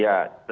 ya tentu saja